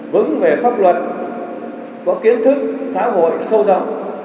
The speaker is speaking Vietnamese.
vững về pháp luật có kiến thức xã hội sâu rộng